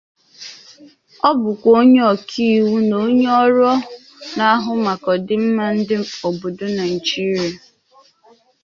Ọ bụkwa onye ọka iwu na onye ọrụ na-ahụ maka ọdịmma ndị obodo Naijiria.